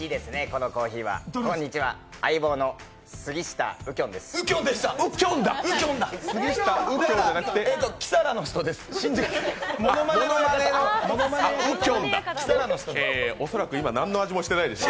このコーヒーはこんにちは「相棒」のスギシタウキョンです。